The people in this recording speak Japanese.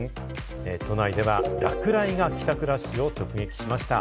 都内では落雷が帰宅ラッシュを直撃しました。